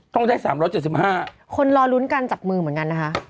ต้องได้๓๗๕คนรอลุ้นการจับมือเหมือนกันนะคะ